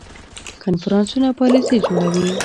کنفرانسونه پالیسي جوړوي